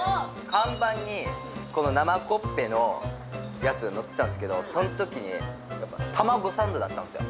看板にこの生コッペのやつが載ってたんですけどそんときにやっぱたまごサンドだったんですよ